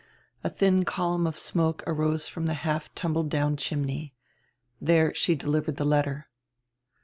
A thin column of smoke arose from tire half tumbled down chimney. There she delivered die letter.